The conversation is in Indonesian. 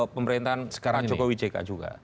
pemerintahan sekarang jokowi jk juga